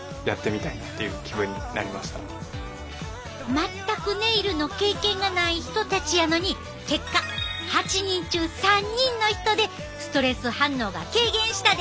全くネイルの経験がない人たちやのに結果８人中３人の人でストレス反応が軽減したで。